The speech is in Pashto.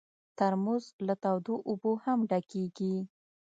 ترموز له تودو اوبو هم ډکېږي.